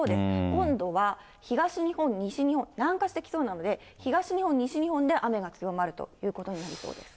今度は東日本、西日本、南下してきそうなので、東日本、西日本で雨が強まるということになりそうです。